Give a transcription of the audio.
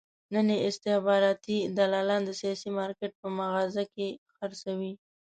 نن یې استخباراتي دلالان د سیاسي مارکېټ په مغازه کې خرڅوي.